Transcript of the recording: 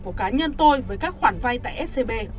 của cá nhân tôi với các khoản vay tại scb